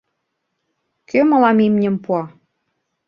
— Кӧ мылам имньым пуа?